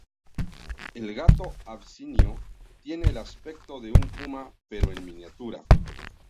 El Gato Abisinio tiene el aspecto de un puma pero en miniatura.